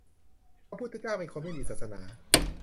พระพุทธเจ้าเป็นคนไม่มีศาสนา ?